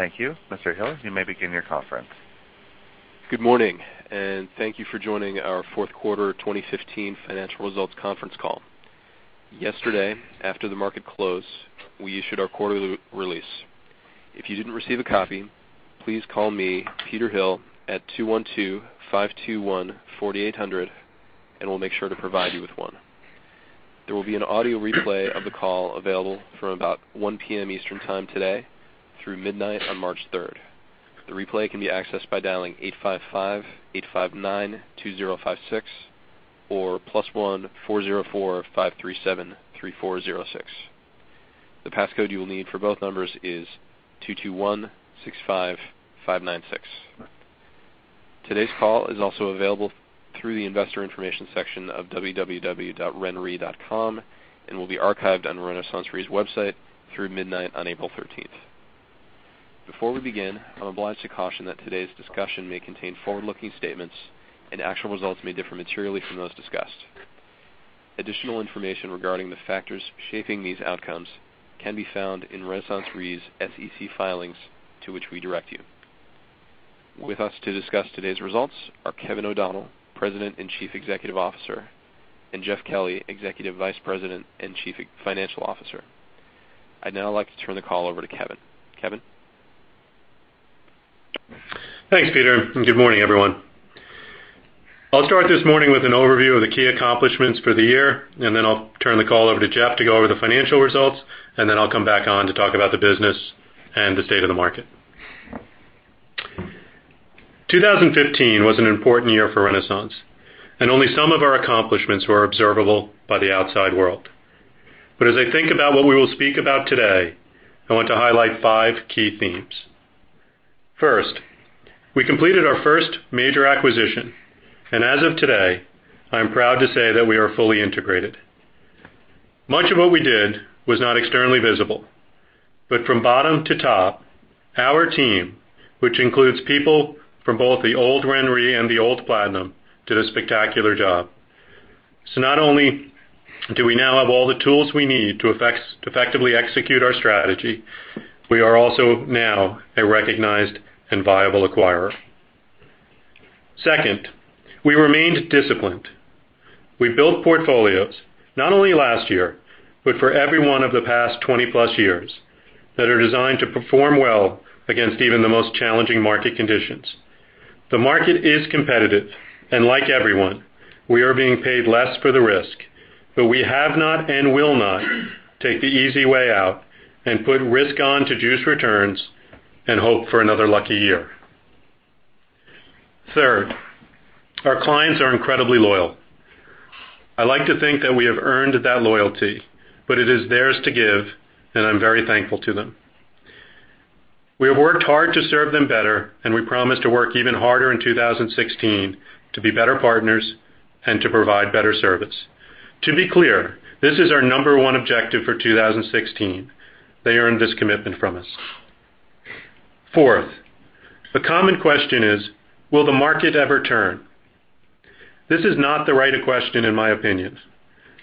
Thank you. Mr. Hill, you may begin your conference. Good morning, thank you for joining our fourth quarter 2015 financial results conference call. Yesterday, after the market closed, we issued our quarterly release. If you didn't receive a copy, please call me, Peter Hill, at 212-521-4800, and we'll make sure to provide you with one. There will be an audio replay of the call available from about 1:00 P.M. Eastern Time today through midnight on March 3rd. The replay can be accessed by dialing 855-859-2056 or +1 404-537-3406. The pass code you will need for both numbers is 22165596. Today's call is also available through the investor information section of www.renre.com and will be archived on RenaissanceRe's website through midnight on April 13th. Before we begin, I'm obliged to caution that today's discussion may contain forward-looking statements and actual results may differ materially from those discussed. Additional information regarding the factors shaping these outcomes can be found in RenaissanceRe's SEC filings to which we direct you. With us to discuss today's results are Kevin O'Donnell, President and Chief Executive Officer, and Jeff Kelly, Executive Vice President and Chief Financial Officer. I'd now like to turn the call over to Kevin. Kevin? Thanks, Peter, good morning, everyone. I'll start this morning with an overview of the key accomplishments for the year, then I'll turn the call over to Jeff to go over the financial results, then I'll come back on to talk about the business and the state of the market. 2015 was an important year for Renaissance, only some of our accomplishments were observable by the outside world. As I think about what we will speak about today, I want to highlight five key themes. First, we completed our first major acquisition, as of today, I am proud to say that we are fully integrated. Much of what we did was not externally visible, from bottom to top, our team, which includes people from both the old RenRe and the old Platinum, did a spectacular job. Not only do we now have all the tools we need to effectively execute our strategy, we are also now a recognized and viable acquirer. Second, we remained disciplined. We built portfolios not only last year, but for every one of the past 20-plus years that are designed to perform well against even the most challenging market conditions. The market is competitive, and like everyone, we are being paid less for the risk, but we have not and will not take the easy way out and put risk on to juice returns and hope for another lucky year. Third, our clients are incredibly loyal. I like to think that we have earned that loyalty, but it is theirs to give, and I'm very thankful to them. We have worked hard to serve them better, we promise to work even harder in 2016 to be better partners and to provide better service. To be clear, this is our number 1 objective for 2016. They earned this commitment from us. Fourth, a common question is: Will the market ever turn? This is not the right question, in my opinion.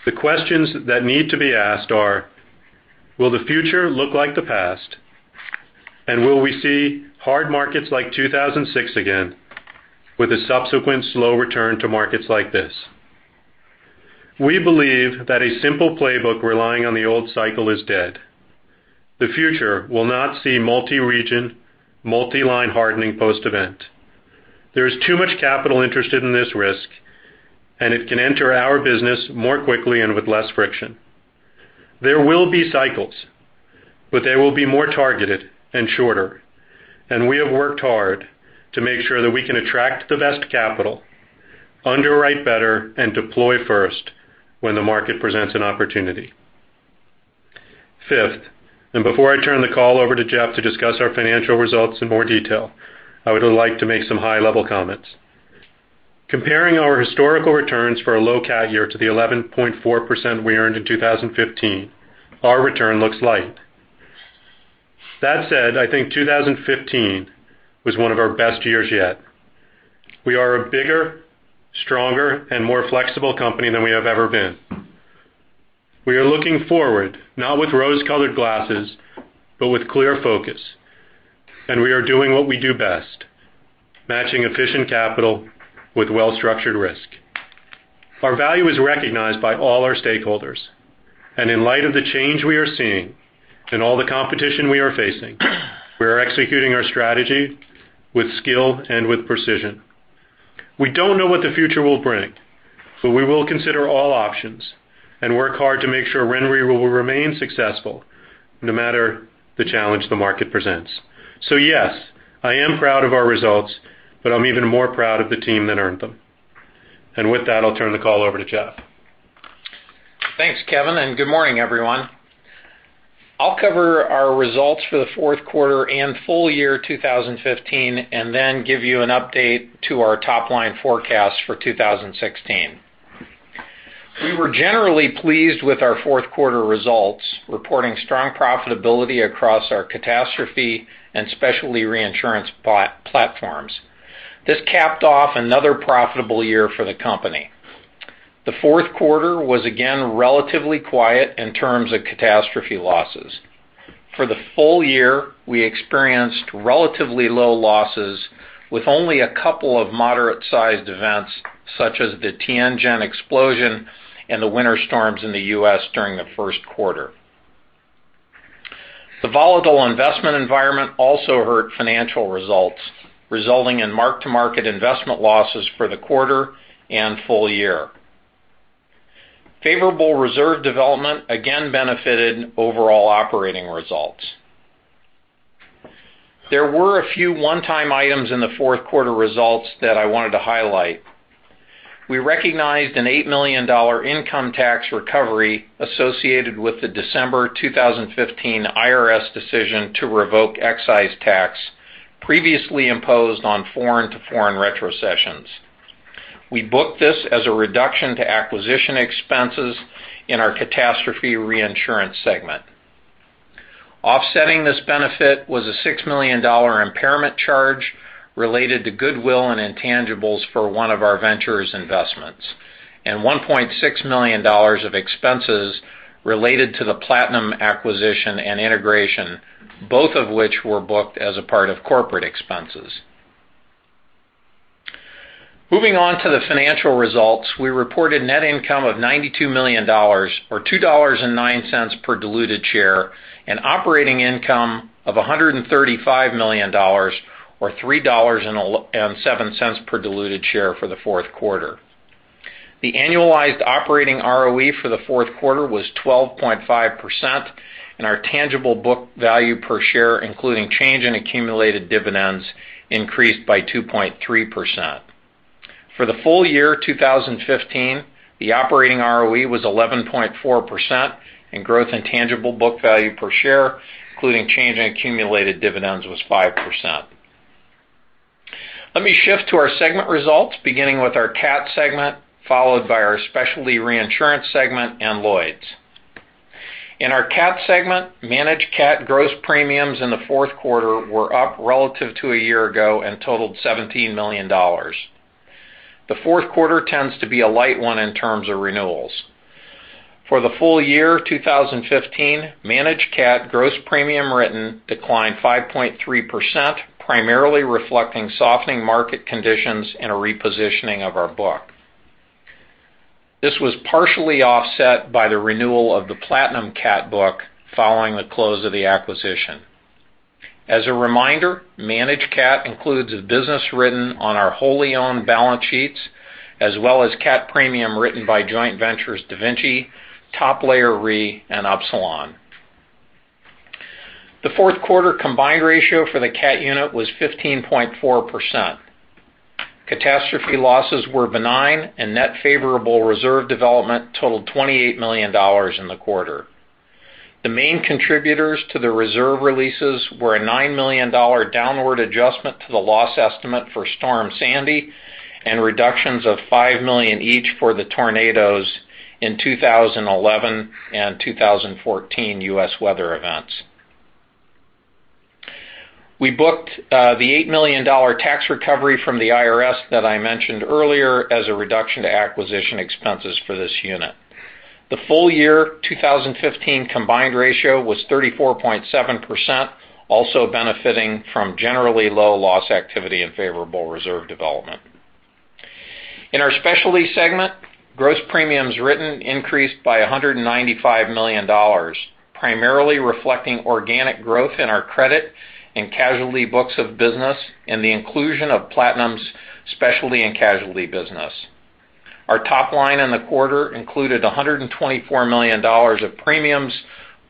The questions that need to be asked are: Will the future look like the past? Will we see hard markets like 2006 again with a subsequent slow return to markets like this? We believe that a simple playbook relying on the old cycle is dead. The future will not see multi-region, multi-line hardening post-event. There is too much capital interested in this risk, and it can enter our business more quickly and with less friction. There will be cycles, they will be more targeted and shorter, we have worked hard to make sure that we can attract the best capital, underwrite better, and deploy first when the market presents an opportunity. Fifth, before I turn the call over to Jeff to discuss our financial results in more detail, I would like to make some high-level comments. Comparing our historical returns for a low CAT year to the 11.4% we earned in 2015, our return looks light. That said, I think 2015 was one of our best years yet. We are a bigger, stronger, more flexible company than we have ever been. We are looking forward, not with rose-colored glasses, but with clear focus, we are doing what we do best, matching efficient capital with well-structured risk. Our value is recognized by all our stakeholders, in light of the change we are seeing and all the competition we are facing, we are executing our strategy with skill and with precision. We don't know what the future will bring, we will consider all options and work hard to make sure RenRe will remain successful, no matter the challenge the market presents. Yes, I am proud of our results, I'm even more proud of the team that earned them. With that, I'll turn the call over to Jeff. Thanks, Kevin. Good morning, everyone. I'll cover our results for the fourth quarter and full year 2015. Then give you an update to our top-line forecast for 2016. We were generally pleased with our fourth quarter results, reporting strong profitability across our catastrophe and specialty reinsurance platforms. This capped off another profitable year for the company. The fourth quarter was again relatively quiet in terms of catastrophe losses. For the full year, we experienced relatively low losses with only a couple of moderate-sized events, such as the Tianjin explosion and the winter storms in the U.S. during the first quarter. The volatile investment environment also hurt financial results, resulting in mark-to-market investment losses for the quarter and full year. Favorable reserve development again benefited overall operating results. There were a few one-time items in the fourth quarter results that I wanted to highlight. We recognized an $8 million income tax recovery associated with the December 2015 IRS decision to revoke excise tax previously imposed on foreign-to-foreign retrocessions. We booked this as a reduction to acquisition expenses in our Catastrophe Reinsurance Segment. Offsetting this benefit was a $6 million impairment charge related to goodwill and intangibles for one of our ventures investments, and $1.6 million of expenses related to the Platinum acquisition and integration, both of which were booked as a part of corporate expenses. Moving on to the financial results, we reported net income of $92 million, or $2.09 per diluted share, and operating income of $135 million, or $3.07 per diluted share for the fourth quarter. The annualized operating ROE for the fourth quarter was 12.5%, and our tangible book value per share, including change in accumulated dividends, increased by 2.3%. For the full year 2015, the operating ROE was 11.4%, and growth in tangible book value per share, including change in accumulated dividends, was 5%. Let me shift to our segment results, beginning with our Cat Segment, followed by our Specialty Reinsurance Segment and Lloyd's. In our Cat Segment, Managed Cat gross premiums in the fourth quarter were up relative to a year ago and totaled $17 million. The fourth quarter tends to be a light one in terms of renewals. For the full year 2015, Managed Cat gross premium written declined 5.3%, primarily reflecting softening market conditions and a repositioning of our book. This was partially offset by the renewal of the Platinum Cat book following the close of the acquisition. As a reminder, Managed Cat includes the business written on our wholly owned balance sheets, as well as cat premium written by joint ventures DaVinci, Top Layer Re, and Upsilon. The fourth quarter combined ratio for the Cat unit was 15.4%. Catastrophe losses were benign and net favorable reserve development totaled $28 million in the quarter. The main contributors to the reserve releases were a $9 million downward adjustment to the loss estimate for Storm Sandy and reductions of $5 million each for the tornadoes in 2011 and 2014 U.S. weather events. We booked the $8 million tax recovery from the IRS that I mentioned earlier as a reduction to acquisition expenses for this unit. The full year 2015 combined ratio was 34.7%, also benefiting from generally low loss activity and favorable reserve development. In our Specialty segment, gross premiums written increased by $195 million, primarily reflecting organic growth in our credit and casualty books of business and the inclusion of Platinum's specialty and casualty business. Our top line in the quarter included $124 million of premiums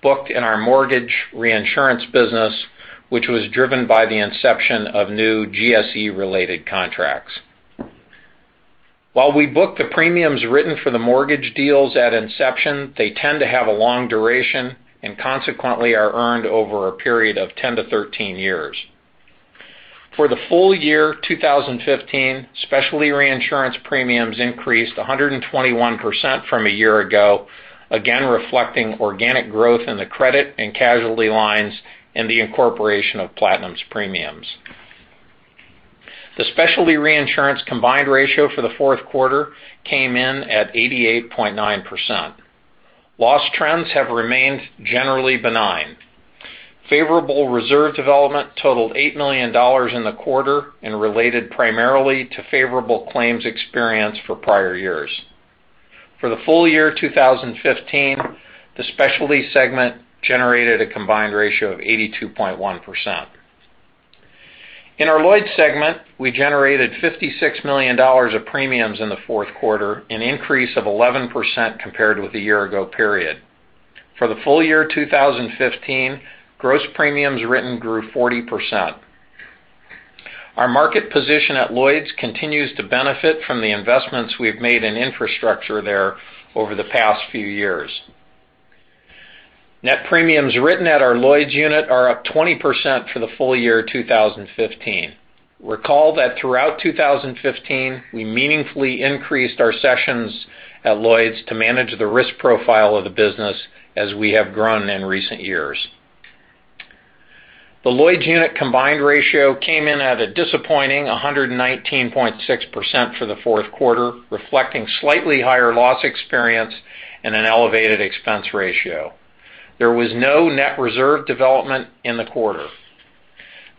booked in our mortgage reinsurance business, which was driven by the inception of new GSE related contracts. While we book the premiums written for the mortgage deals at inception, they tend to have a long duration and consequently are earned over a period of 10 to 13 years. For the full year 2015, Specialty reinsurance premiums increased 121% from a year ago, again reflecting organic growth in the credit and casualty lines and the incorporation of Platinum's premiums. The Specialty reinsurance combined ratio for the fourth quarter came in at 88.9%. Loss trends have remained generally benign. Favorable reserve development totaled $8 million in the quarter and related primarily to favorable claims experience for prior years. For the full year 2015, the Specialty segment generated a combined ratio of 82.1%. In our Lloyd's segment, we generated $56 million of premiums in the fourth quarter, an increase of 11% compared with the year ago period. For the full year 2015, gross premiums written grew 40%. Our market position at Lloyd's continues to benefit from the investments we've made in infrastructure there over the past few years. Net premiums written at our Lloyd's unit are up 20% for the full year 2015. Recall that throughout 2015, we meaningfully increased our cessions at Lloyd's to manage the risk profile of the business as we have grown in recent years. The Lloyd's unit combined ratio came in at a disappointing 119.6% for the fourth quarter, reflecting slightly higher loss experience and an elevated expense ratio. There was no net reserve development in the quarter.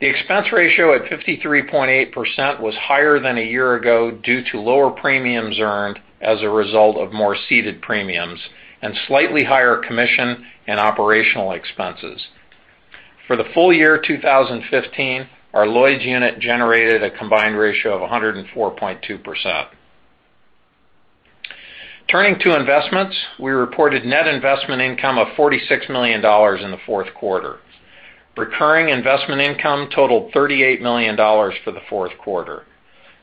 The expense ratio at 53.8% was higher than a year ago due to lower premiums earned as a result of more ceded premiums, and slightly higher commission and operational expenses. For the full year 2015, our Lloyd's unit generated a combined ratio of 104.2%. Turning to investments, we reported net investment income of $46 million in the fourth quarter. Recurring investment income totaled $38 million for the fourth quarter.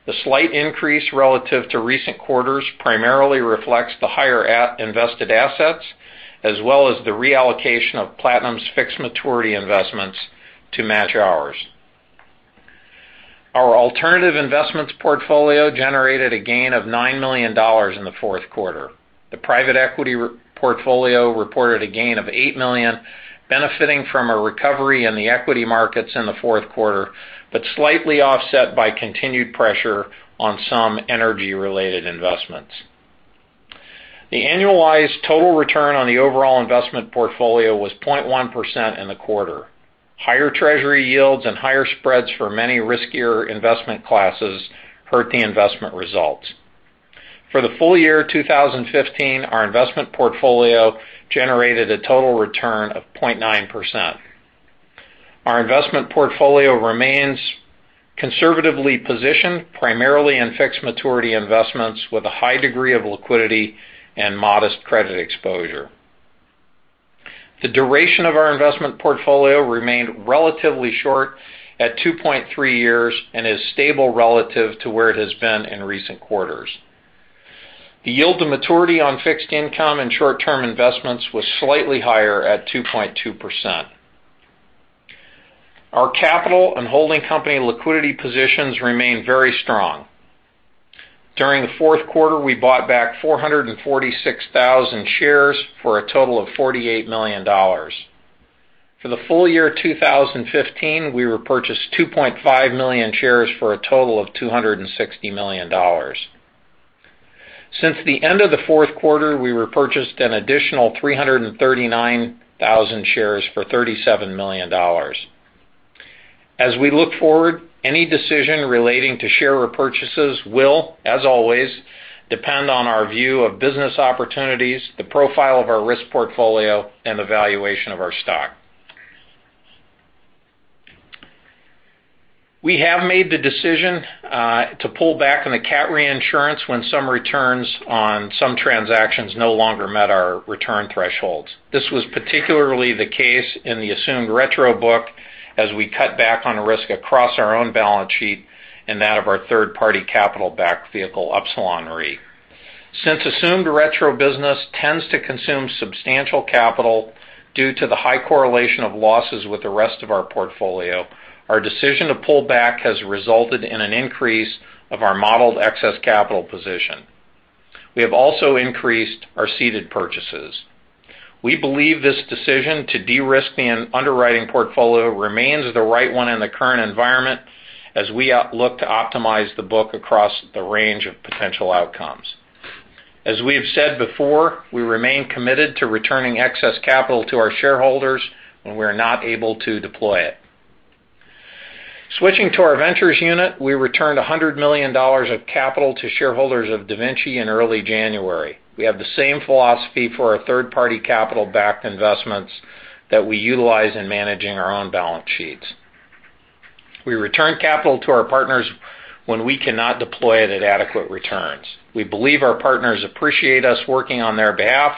The slight increase relative to recent quarters primarily reflects the higher invested assets, as well as the reallocation of Platinum's fixed maturity investments to match ours. Our alternative investments portfolio generated a gain of $9 million in the fourth quarter. The private equity portfolio reported a gain of $8 million, benefiting from a recovery in the equity markets in the fourth quarter, but slightly offset by continued pressure on some energy related investments. The annualized total return on the overall investment portfolio was 0.1% in the quarter. Higher treasury yields and higher spreads for many riskier investment classes hurt the investment results. For the full year 2015, our investment portfolio generated a total return of 0.9%. Our investment portfolio remains conservatively positioned, primarily in fixed maturity investments with a high degree of liquidity and modest credit exposure. The duration of our investment portfolio remained relatively short at 2.3 years, and is stable relative to where it has been in recent quarters. The yield to maturity on fixed income and short-term investments was slightly higher at 2.2%. Our capital and holding company liquidity positions remain very strong. During the fourth quarter, we bought back 446,000 shares for a total of $48 million. For the full year 2015, we repurchased 2.5 million shares for a total of $260 million. Since the end of the fourth quarter, we repurchased an additional 339,000 shares for $37 million. As we look forward, any decision relating to share repurchases will, as always, depend on our view of business opportunities, the profile of our risk portfolio, and the valuation of our stock. We have made the decision to pull back on the CAT reinsurance when some returns on some transactions no longer met our return thresholds. This was particularly the case in the assumed retro book, as we cut back on the risk across our own balance sheet and that of our third party capital backed vehicle, Upsilon Re. Since assumed retro business tends to consume substantial capital due to the high correlation of losses with the rest of our portfolio, our decision to pull back has resulted in an increase of our modeled excess capital position. We have also increased our ceded purchases. We believe this decision to de-risk the underwriting portfolio remains the right one in the current environment as we look to optimize the book across the range of potential outcomes. As we have said before, we remain committed to returning excess capital to our shareholders when we are not able to deploy it. Switching to our ventures unit, we returned $100 million of capital to shareholders of DaVinci in early January. We have the same philosophy for our third party capital backed investments that we utilize in managing our own balance sheets. We return capital to our partners when we cannot deploy it at adequate returns. We believe our partners appreciate us working on their behalf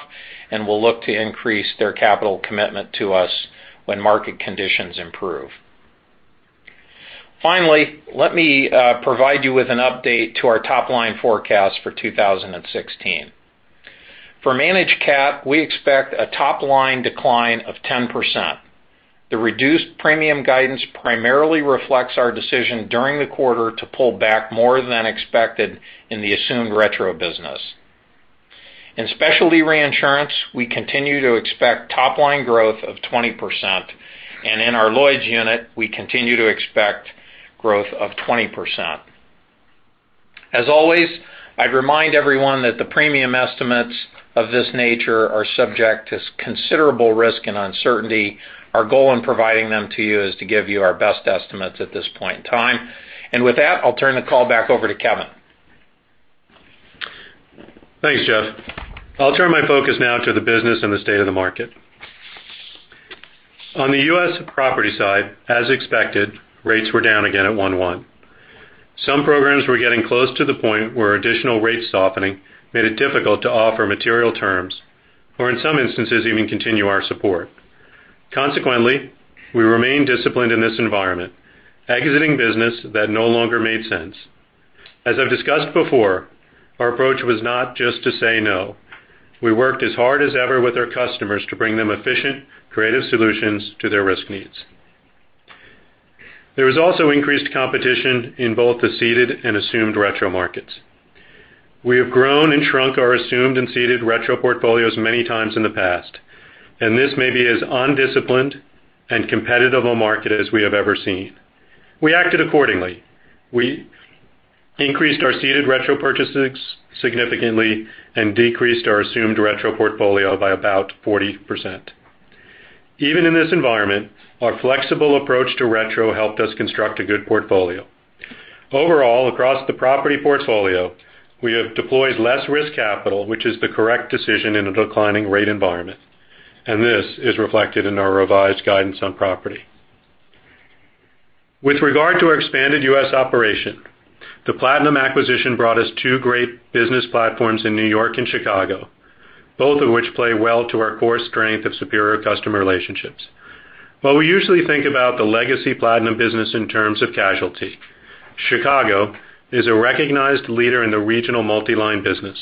and will look to increase their capital commitment to us when market conditions improve. Let me provide you with an update to our top line forecast for 2016. For managed cat, we expect a top line decline of 10%. The reduced premium guidance primarily reflects our decision during the quarter to pull back more than expected in the assumed retro business. In specialty reinsurance, we continue to expect top line growth of 20%, and in our Lloyd's unit, we continue to expect growth of 20%. As always, I'd remind everyone that the premium estimates of this nature are subject to considerable risk and uncertainty. Our goal in providing them to you is to give you our best estimates at this point in time. With that, I'll turn the call back over to Kevin. Thanks, Jeff. I'll turn my focus now to the business and the state of the market. On the U.S. property side, as expected, rates were down again at 1/1. Some programs were getting close to the point where additional rate softening made it difficult to offer material terms, or in some instances, even continue our support. Consequently, we remain disciplined in this environment, exiting business that no longer made sense. As I've discussed before, our approach was not just to say no. We worked as hard as ever with our customers to bring them efficient, creative solutions to their risk needs. There was also increased competition in both the ceded and assumed retro markets. We have grown and shrunk our assumed and ceded retro portfolios many times in the past, and this may be as undisciplined and competitive a market as we have ever seen. We acted accordingly. We increased our ceded retro purchases significantly and decreased our assumed retro portfolio by about 40%. Even in this environment, our flexible approach to retro helped us construct a good portfolio. Overall, across the property portfolio, we have deployed less risk capital, which is the correct decision in a declining rate environment, and this is reflected in our revised guidance on property. With regard to our expanded U.S. operation, the Platinum acquisition brought us two great business platforms in New York and Chicago, both of which play well to our core strength of superior customer relationships. While we usually think about the legacy Platinum business in terms of casualty, Chicago is a recognized leader in the regional multi-line business,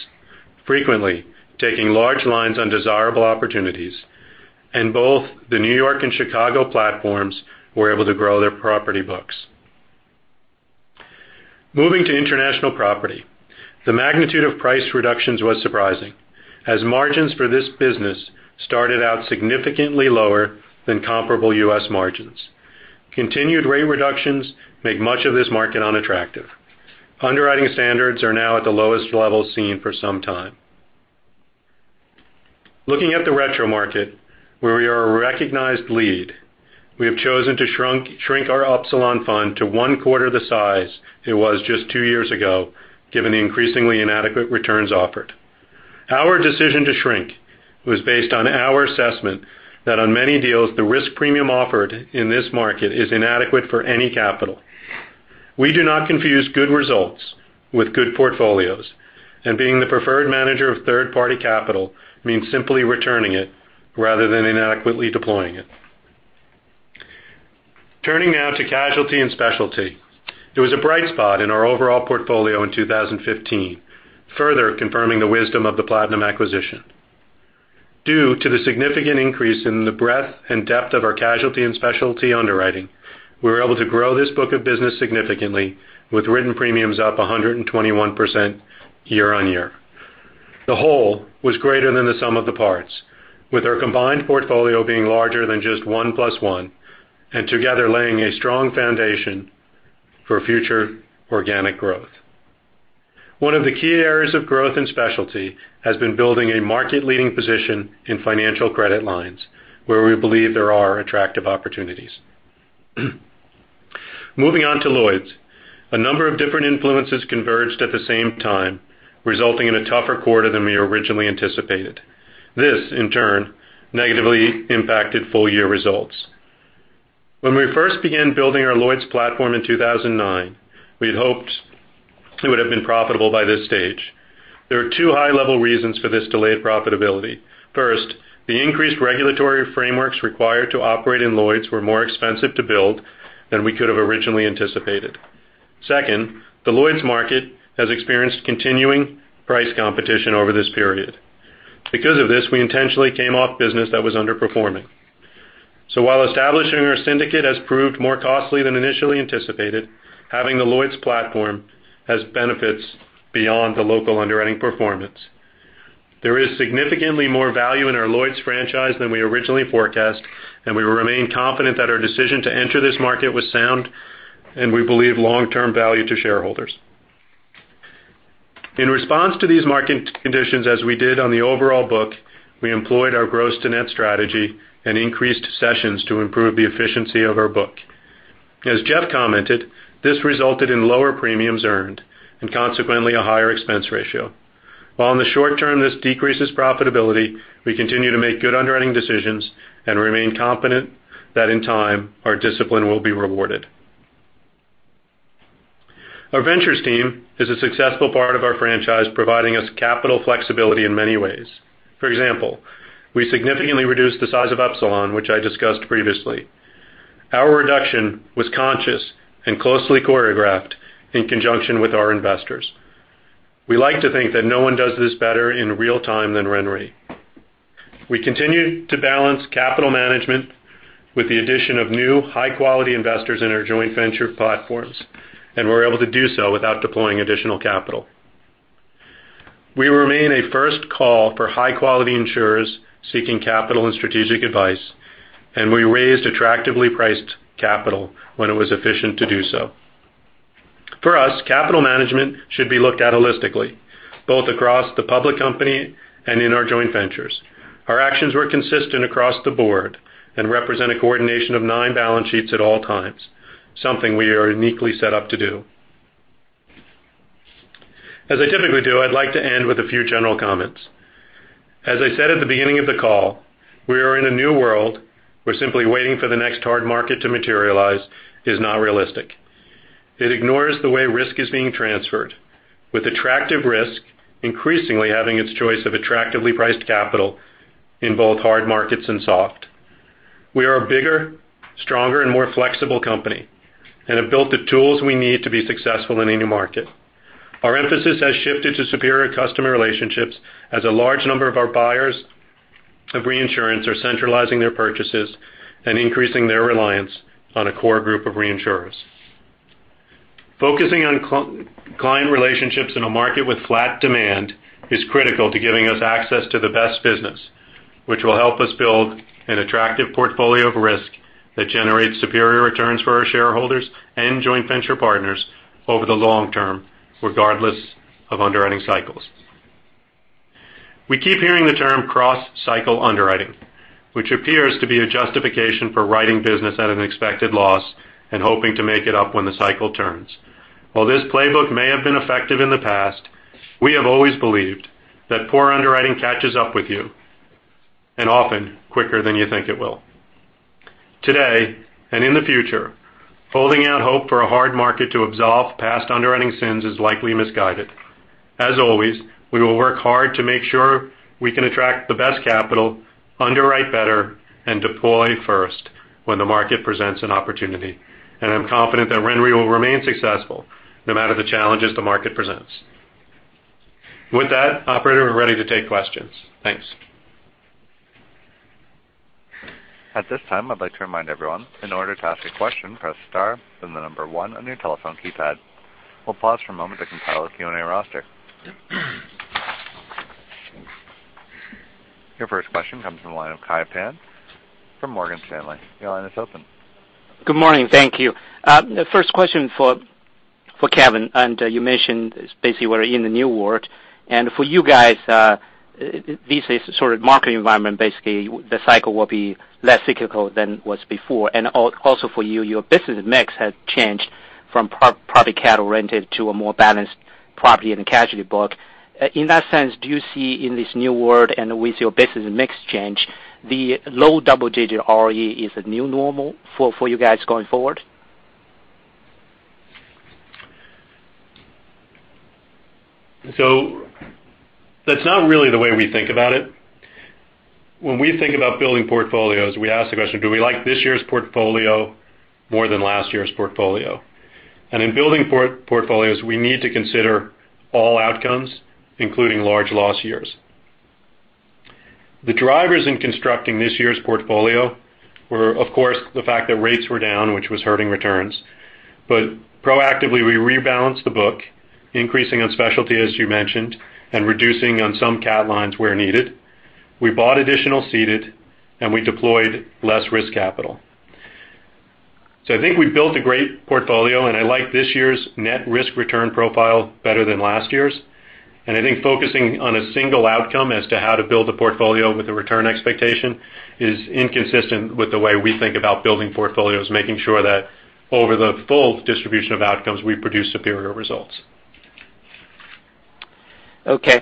frequently taking large lines on desirable opportunities, and both the New York and Chicago platforms were able to grow their property books. Moving to international property, the magnitude of price reductions was surprising, as margins for this business started out significantly lower than comparable U.S. margins. Continued rate reductions make much of this market unattractive. Underwriting standards are now at the lowest level seen for some time. Looking at the retro market, where we are a recognized lead, we have chosen to shrink our Upsilon fund to one-quarter the size it was just two years ago, given the increasingly inadequate returns offered. Our decision to shrink was based on our assessment that on many deals, the risk premium offered in this market is inadequate for any capital. We do not confuse good results with good portfolios, and being the preferred manager of third-party capital means simply returning it, rather than inadequately deploying it. Turning now to casualty and specialty, it was a bright spot in our overall portfolio in 2015, further confirming the wisdom of the Platinum acquisition. Due to the significant increase in the breadth and depth of our casualty and specialty underwriting, we were able to grow this book of business significantly, with written premiums up 121% year-over-year. The whole was greater than the sum of the parts, with our combined portfolio being larger than just one plus one, and together laying a strong foundation for future organic growth. One of the key areas of growth and specialty has been building a market-leading position in financial credit lines, where we believe there are attractive opportunities. Moving on to Lloyd's. A number of different influences converged at the same time, resulting in a tougher quarter than we originally anticipated. This, in turn, negatively impacted full-year results. When we first began building our Lloyd's platform in 2009, we had hoped it would have been profitable by this stage. There are two high-level reasons for this delayed profitability. First, the increased regulatory frameworks required to operate in Lloyd's were more expensive to build than we could have originally anticipated. Second, the Lloyd's market has experienced continuing price competition over this period. We intentionally came off business that was underperforming. While establishing our syndicate has proved more costly than initially anticipated, having the Lloyd's platform has benefits beyond the local underwriting performance. There is significantly more value in our Lloyd's franchise than we originally forecast, and we remain confident that our decision to enter this market was sound and we believe long-term value to shareholders. In response to these market conditions, as we did on the overall book, we employed our gross to net strategy and increased sessions to improve the efficiency of our book. As Jeff commented, this resulted in lower premiums earned and consequently a higher expense ratio. While in the short term this decreases profitability, we continue to make good underwriting decisions and remain confident that in time, our discipline will be rewarded. Our ventures team is a successful part of our franchise, providing us capital flexibility in many ways. For example, we significantly reduced the size of Upsilon, which I discussed previously. Our reduction was conscious and closely choreographed in conjunction with our investors. We like to think that no one does this better in real time than RenRe. We continue to balance capital management with the addition of new high-quality investors in our joint venture platforms, and we're able to do so without deploying additional capital. We remain a first call for high-quality insurers seeking capital and strategic advice, and we raised attractively priced capital when it was efficient to do so. For us, capital management should be looked at holistically, both across the public company and in our joint ventures. Our actions were consistent across the board and represent a coordination of nine balance sheets at all times, something we are uniquely set up to do. As I typically do, I'd like to end with a few general comments. As I said at the beginning of the call, we are in a new world where simply waiting for the next hard market to materialize is not realistic. It ignores the way risk is being transferred, with attractive risk increasingly having its choice of attractively priced capital in both hard markets and soft. We are a bigger, stronger, and more flexible company and have built the tools we need to be successful in any market. Our emphasis has shifted to superior customer relationships as a large number of our buyers of reinsurance are centralizing their purchases and increasing their reliance on a core group of reinsurers. Focusing on client relationships in a market with flat demand is critical to giving us access to the best business, which will help us build an attractive portfolio of risk that generates superior returns for our shareholders and joint venture partners over the long term, regardless of underwriting cycles. We keep hearing the term cross-cycle underwriting, which appears to be a justification for writing business at an expected loss and hoping to make it up when the cycle turns. While this playbook may have been effective in the past, we have always believed that poor underwriting catches up with you, and often quicker than you think it will. Today, and in the future, holding out hope for a hard market to absolve past underwriting sins is likely misguided. As always, we will work hard to make sure we can attract the best capital, underwrite better, and deploy first when the market presents an opportunity. I'm confident that RenRe will remain successful no matter the challenges the market presents. With that, operator, we're ready to take questions. Thanks. At this time, I'd like to remind everyone, in order to ask a question, press star then the number 1 on your telephone keypad. We'll pause for a moment to compile a Q&A roster. Your first question comes from the line of Kai Pan from Morgan Stanley. Your line is open. Good morning. Thank you. First question for Kevin. You mentioned basically we're in the new world. For you guys, this is sort of market environment, basically, the cycle will be less cyclical than was before. Also for you, your business mix has changed from property/casualty RenRe to a more balanced property and casualty book. In that sense, do you see in this new world and with your business mix change, the low double-digit ROE is the new normal for you guys going forward? That's not really the way we think about it. When we think about building portfolios, we ask the question, do we like this year's portfolio more than last year's portfolio? In building portfolios, we need to consider all outcomes, including large loss years. The drivers in constructing this year's portfolio were, of course, the fact that rates were down, which was hurting returns. Proactively, we rebalanced the book, increasing on specialty, as you mentioned, and reducing on some CAT lines where needed. We bought additional ceded, and we deployed less risk capital. I think we built a great portfolio, and I like this year's net risk return profile better than last year's. I think focusing on a single outcome as to how to build a portfolio with a return expectation is inconsistent with the way we think about building portfolios, making sure that over the full distribution of outcomes, we produce superior results. Okay.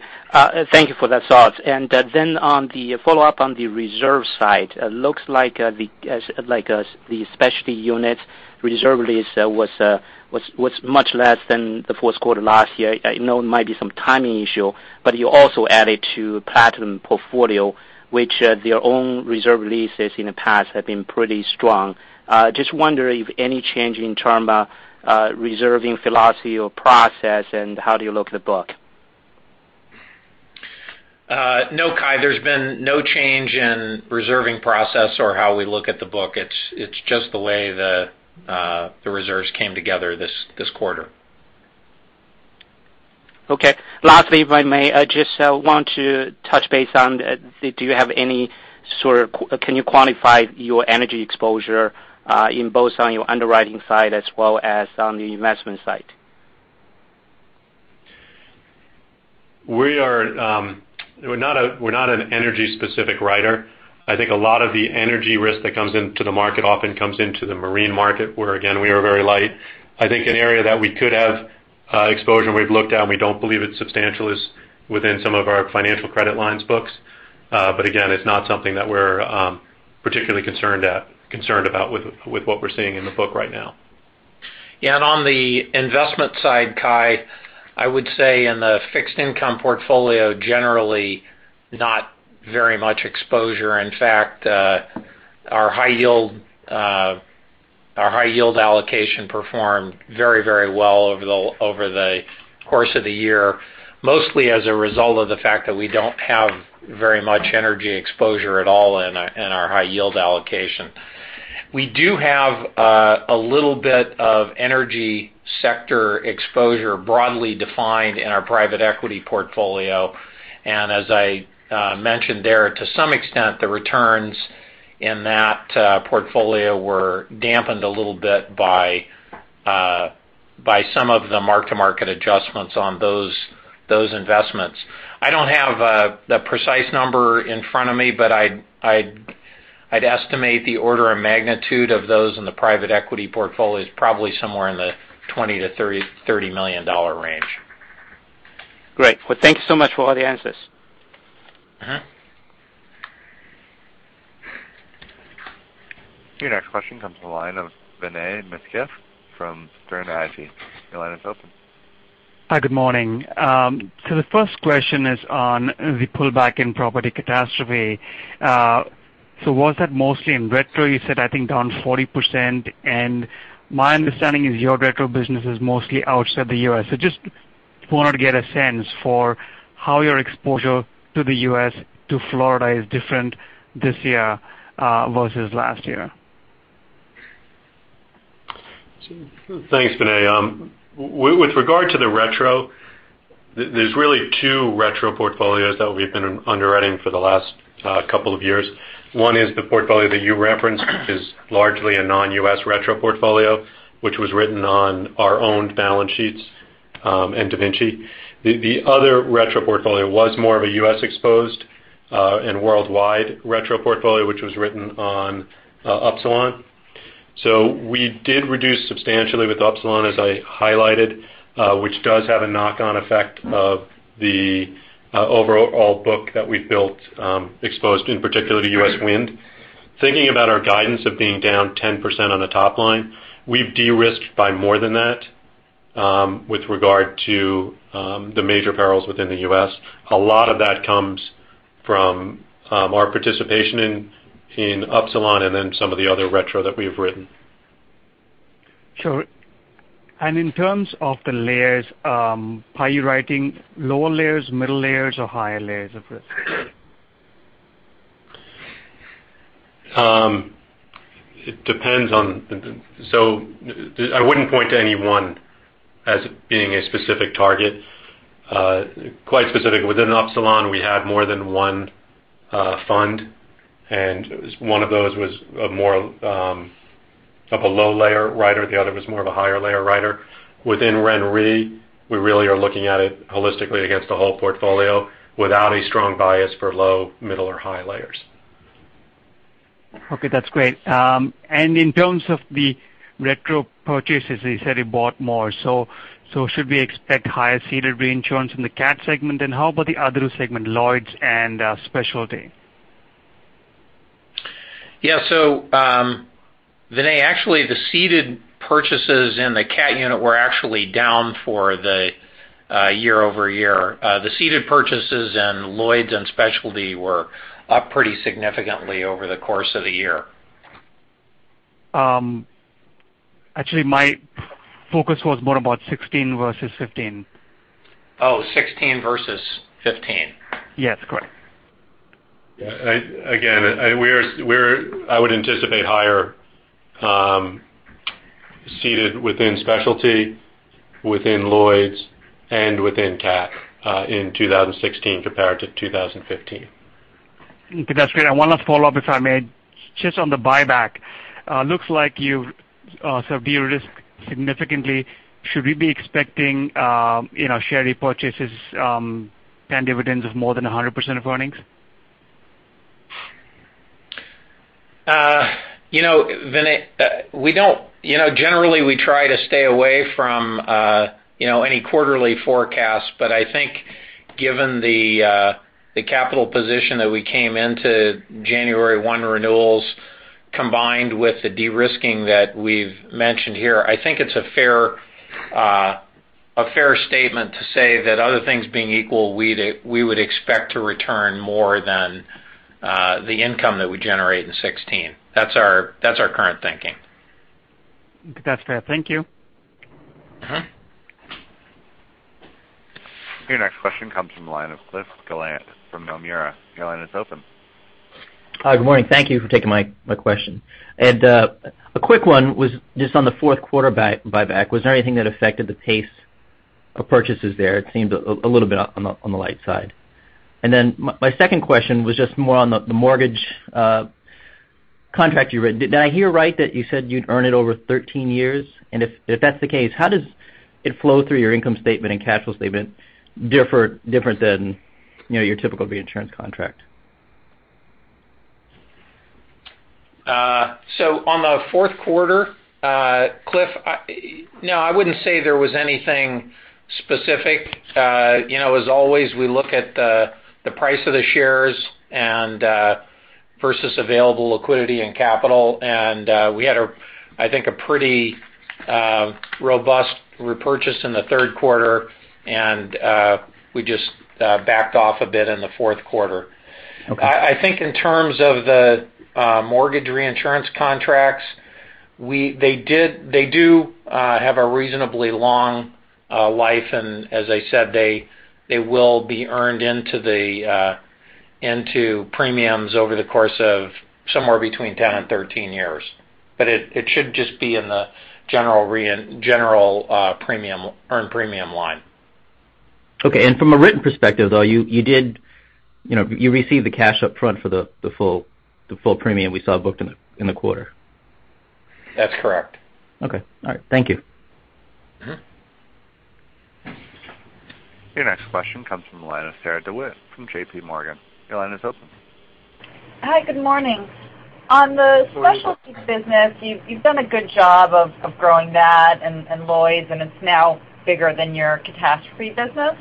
Thank you for that thought. Then on the follow-up on the reserve side, looks like the specialty unit reserve release was much less than the fourth quarter last year. I know it might be some timing issue, but you also added to Platinum portfolio, which their own reserve releases in the past have been pretty strong. Just wondering if any change in term reserving philosophy or process and how do you look at the book? No, Kai, there's been no change in reserving process or how we look at the book. It's just the way the reserves came together this quarter. Okay. Lastly, if I may, I just want to touch base on, can you quantify your energy exposure in both on your underwriting side as well as on the investment side? We're not an energy specific writer. I think a lot of the energy risk that comes into the market often comes into the marine market, where again, we are very light. I think an area that we could have exposure we've looked at, and we don't believe it's substantial, is within some of our financial credit lines books. Again, it's not something that we're particularly concerned about with what we're seeing in the book right now. On the investment side, Kai, I would say in the fixed income portfolio, generally not very much exposure. In fact, our high yield allocation performed very well over the course of the year, mostly as a result of the fact that we don't have very much energy exposure at all in our high yield allocation. We do have a little bit of energy sector exposure broadly defined in our private equity portfolio. As I mentioned there, to some extent, the returns in that portfolio were dampened a little bit by some of the mark-to-market adjustments on those investments. I don't have the precise number in front of me, but I'd estimate the order of magnitude of those in the private equity portfolio is probably somewhere in the $20 million-$30 million range. Great. Thank you so much for all the answers. Your next question comes from the line of Vinay Misquith from Sterne Agee. Your line is open. Hi, good morning. The first question is on the pullback in property catastrophe. Was that mostly in retro? You said, I think, down 40%, my understanding is your retro business is mostly outside the U.S. Just wanted to get a sense for how your exposure to the U.S., to Florida is different this year versus last year. Thanks, Vinay. With regard to the retro, there's really two retro portfolios that we've been underwriting for the last couple of years. One is the portfolio that you referenced, which is largely a non-U.S. retro portfolio, which was written on our own balance sheets in DaVinci. The other retro portfolio was more of a U.S. exposed and worldwide retro portfolio, which was written on Upsilon. We did reduce substantially with Upsilon, as I highlighted, which does have a knock-on effect of the overall book that we've built exposed in particular to U.S. wind. Thinking about our guidance of being down 10% on the top line, we've de-risked by more than that with regard to the major perils within the U.S. A lot of that comes from our participation in Upsilon and some of the other retro that we have written. Sure. In terms of the layers, are you writing lower layers, middle layers, or higher layers of risk? It depends. I wouldn't point to any one as being a specific target. Quite specific within Upsilon, we had more than one fund, one of those was more of a low layer writer. The other was more of a higher layer writer. Within Ren Re, we really are looking at it holistically against the whole portfolio without a strong bias for low, middle, or high layers. Okay, that's great. In terms of the retro purchases, you said you bought more, should we expect higher ceded reinsurance in the CAT segment? How about the other segment, Lloyd's and specialty? Yeah. Vinay, actually, the ceded purchases in the CAT unit were actually down for the year-over-year. The ceded purchases in Lloyd's and specialty were up pretty significantly over the course of the year. Actually, my focus was more about 2016 versus 2015. Oh, 2016 versus 2015. Yes, correct. I would anticipate higher ceded within specialty, within Lloyd's, and within CAT in 2016 compared to 2015. Okay, that's great. One last follow-up, if I may. Just on the buyback, looks like you've sort of de-risked significantly. Should we be expecting share repurchases and dividends of more than 100% of earnings? Vinay, generally, we try to stay away from any quarterly forecast. I think given the capital position that we came into January 1 renewals, combined with the de-risking that we've mentioned here, I think it's a fair statement to say that other things being equal, we would expect to return more than the income that we generate in 2016. That's our current thinking. That's fair. Thank you. Your next question comes from the line of Cliff Gallant from Nomura. Your line is open. Hi. Good morning. Thank you for taking my question. A quick one was just on the fourth quarter buyback. Was there anything that affected the pace of purchases there? It seemed a little bit on the light side. My second question was just more on the mortgage contract you wrote. Did I hear right that you said you'd earn it over 13 years? And if that's the case, how does it flow through your income statement and cash flow statement different than your typical reinsurance contract? On the fourth quarter, Cliff, no, I wouldn't say there was anything specific. As always, we look at the price of the shares versus available liquidity and capital. We had, I think, a pretty robust repurchase in the third quarter, and we just backed off a bit in the fourth quarter. Okay. I think in terms of the mortgage reinsurance contracts, they do have a reasonably long life. As I said, they will be earned into premiums over the course of somewhere between 10 and 13 years. It should just be in the general earned premium line. Okay. From a written perspective, though, you received the cash up front for the full premium we saw booked in the quarter. That's correct. Okay. All right. Thank you. Your next question comes from the line of Sarah DeWitt from J.P. Morgan. Your line is open. Hi, good morning. On the specialty business, you've done a good job of growing that and Lloyd's, and it's now bigger than your catastrophe business.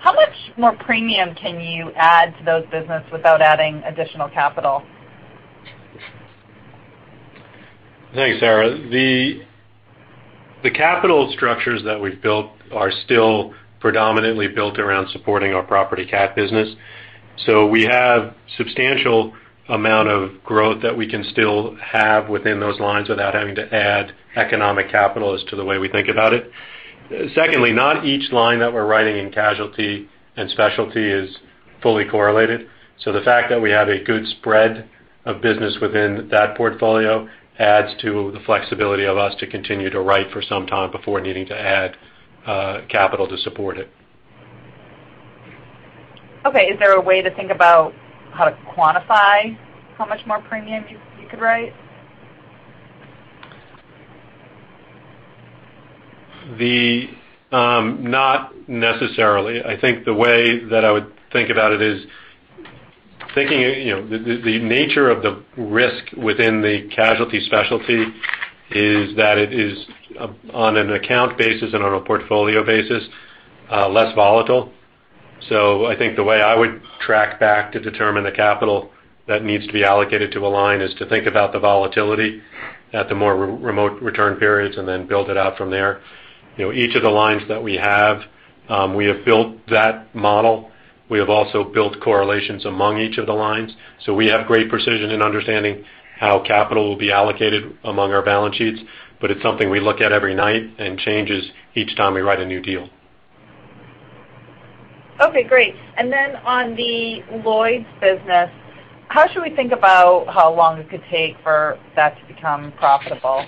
How much more premium can you add to those business without adding additional capital? Thanks, Sarah. The capital structures that we've built are still predominantly built around supporting our property CAT business. We have substantial amount of growth that we can still have within those lines without having to add economic capital as to the way we think about it. Secondly, not each line that we're writing in casualty and specialty is fully correlated. The fact that we have a good spread of business within that portfolio adds to the flexibility of us to continue to write for some time before needing to add capital to support it. Okay. Is there a way to think about how to quantify how much more premium you could write? Not necessarily. I think the way that I would think about it is, thinking the nature of the risk within the casualty specialty is that it is on an account basis and on a portfolio basis, less volatile. I think the way I would track back to determine the capital that needs to be allocated to a line is to think about the volatility at the more remote return periods, and then build it out from there. Each of the lines that we have, we have built that model. We have also built correlations among each of the lines. We have great precision in understanding how capital will be allocated among our balance sheets, but it's something we look at every night and changes each time we write a new deal. Okay, great. On the Lloyd's business, how should we think about how long it could take for that to become profitable?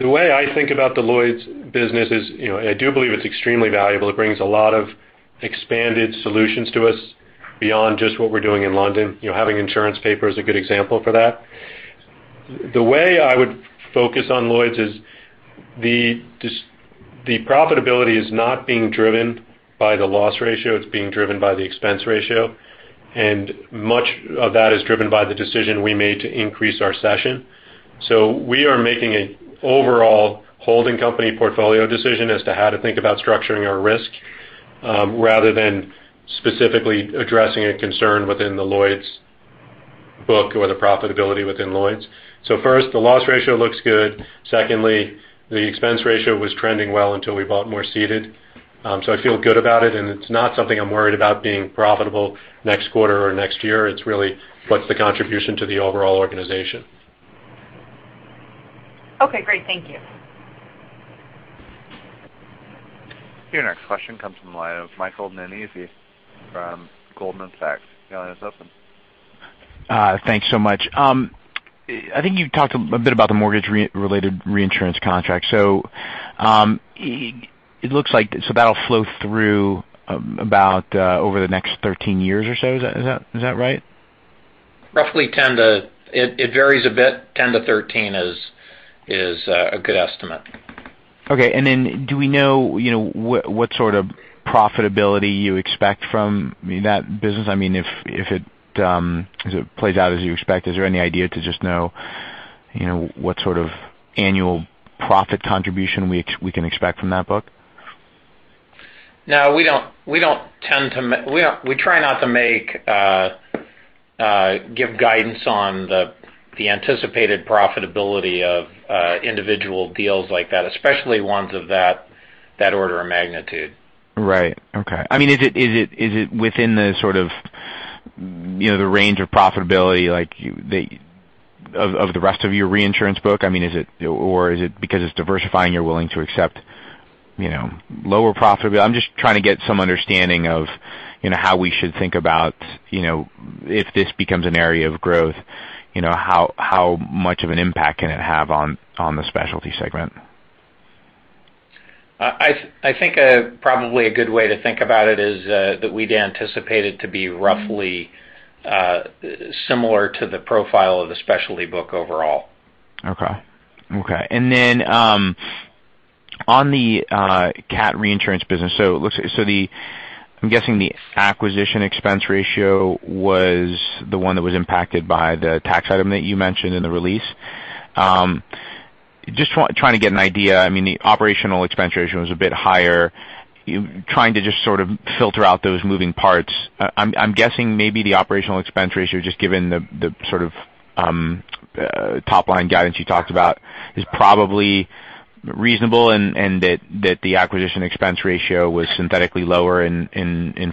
The way I think about the Lloyd's business is, I do believe it's extremely valuable. It brings a lot of expanded solutions to us beyond just what we're doing in London. Having insurance paper is a good example for that. The way I would focus on Lloyd's is the profitability is not being driven by the loss ratio, it's being driven by the expense ratio, and much of that is driven by the decision we made to increase our cession. We are making an overall holding company portfolio decision as to how to think about structuring our risk, rather than specifically addressing a concern within the Lloyd's book or the profitability within Lloyd's. First, the loss ratio looks good. Secondly, the expense ratio was trending well until we bought more ceded. I feel good about it, and it's not something I'm worried about being profitable next quarter or next year. It's really what's the contribution to the overall organization. Okay, great. Thank you. Your next question comes from the line of Michael Nannizzi from Goldman Sachs. Your line is open. Thanks so much. I think you talked a bit about the mortgage-related reinsurance contract. It looks like that'll flow through about over the next 13 years or so. Is that right? Roughly 10 to It varies a bit. 10 to 13 is a good estimate. Okay. Do we know what sort of profitability you expect from that business? If it plays out as you expect, is there any idea to just know what sort of annual profit contribution we can expect from that book? No. We try not to give guidance on the anticipated profitability of individual deals like that, especially ones of that order of magnitude. Right. Okay. Is it within the sort of range of profitability of the rest of your reinsurance book? Is it because it's diversifying, you're willing to accept lower profitability? I'm just trying to get some understanding of how we should think about if this becomes an area of growth, how much of an impact can it have on the specialty segment? I think probably a good way to think about it is that we'd anticipate it to be roughly similar to the profile of the specialty book overall. Okay. On the cat reinsurance business, I'm guessing the acquisition expense ratio was the one that was impacted by the tax item that you mentioned in the release. Just trying to get an idea. The operational expense ratio was a bit higher. Trying to just sort of filter out those moving parts. I'm guessing maybe the operational expense ratio, just given the sort of top-line guidance you talked about, is probably reasonable and that the acquisition expense ratio was synthetically lower in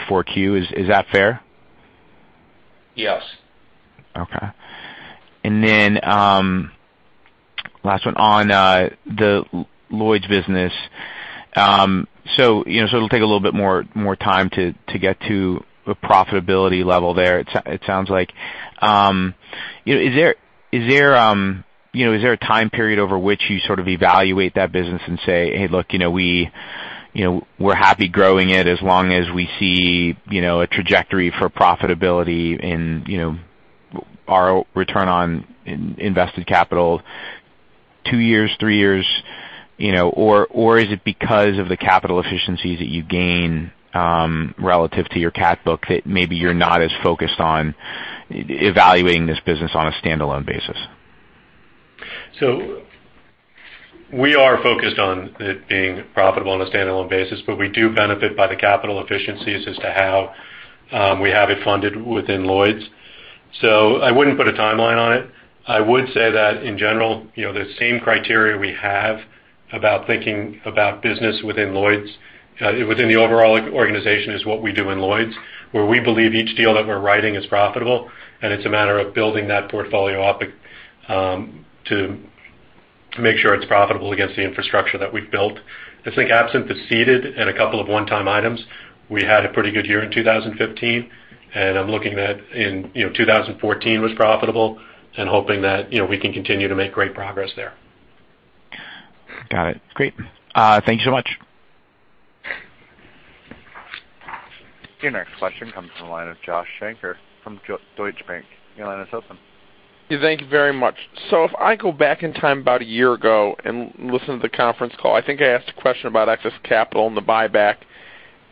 Q4. Is that fair? Yes. Okay. Last one on the Lloyd's business. It'll take a little bit more time to get to a profitability level there, it sounds like. Is there a time period over which you sort of evaluate that business and say, "Hey, look, we're happy growing it as long as we see a trajectory for profitability in our return on invested capital?" Two years, three years? Or is it because of the capital efficiencies that you gain relative to your cat book that maybe you're not as focused on evaluating this business on a standalone basis? We are focused on it being profitable on a standalone basis, but we do benefit by the capital efficiencies as to how we have it funded within Lloyd's. I wouldn't put a timeline on it. I would say that in general, the same criteria we have about thinking about business within the overall organization is what we do in Lloyd's, where we believe each deal that we're writing is profitable, and it's a matter of building that portfolio up to make sure it's profitable against the infrastructure that we've built. I think absent the ceded and a couple of one-time items, we had a pretty good year in 2015, and I'm looking that in 2014 was profitable and hoping that we can continue to make great progress there. Got it. Great. Thank you so much. Your next question comes from the line of Joshua Shanker from Deutsche Bank. Your line is open. Thank you very much. If I go back in time about a year ago and listen to the conference call, I think I asked a question about excess capital and the buyback,